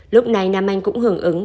lúc này nam anh cũng hưởng ứng